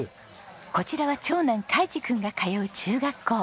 こちらは長男海路君が通う中学校。